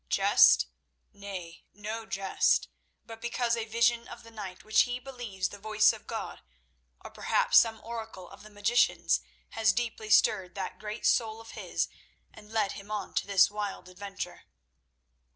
Jest? Nay, no jest, but because a vision of the night, which he believes the voice of God, or perhaps some oracle of the magicians has deeply stirred that great soul of his and led him on to this wild adventure."